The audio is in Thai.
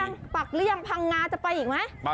ปักหรือยังพังงาจะไปอีกไหม